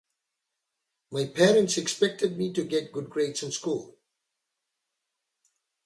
My parents expected me to get good grades in school.